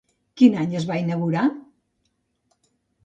Quin any es va inaugurar?